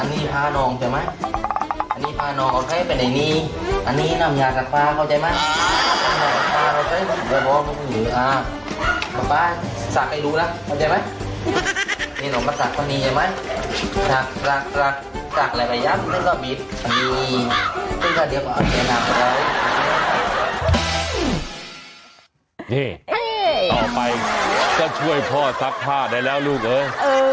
นี่ต่อไปก็ช่วยพ่อซักผ้าได้แล้วลูกเอ้ย